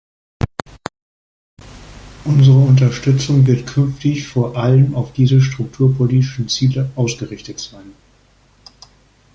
Unsere Unterstützung wird künftig vor allem auf diese strukturpolitischen Ziele ausgerichtet sein.